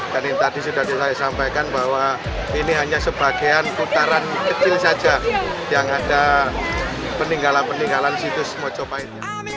dan yang tadi sudah saya sampaikan bahwa ini hanya sebagian putaran kecil saja yang ada peninggalan peninggalan situs mojopahit